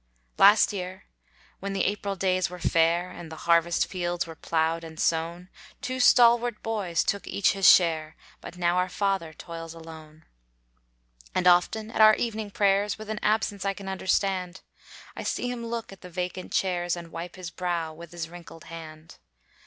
Last year when the April days were fair, And the harvest fields were ploughed and sown, Two stalwart boys took each his share, But now our father toils alone. And often at our evening prayers, With an absence I can understand, I see him look at the vacant chairs, And wipe his brow with his wrinkled hand.